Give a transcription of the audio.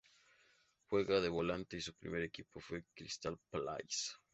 Juega de volante y su primer equipo fue Crystal Palace.